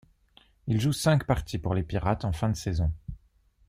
Il joue cinq parties pour les Pirates en fin de saison.